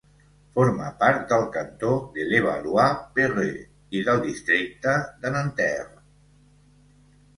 Forma part del cantó de Levallois-Perret i del districte de Nanterre.